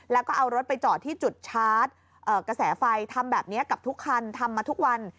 แล้วก็เอารถไปจอดที่จุดชาร์จกระแสไฟทำแบบนี้กับทุกคันทำมาทุกวัน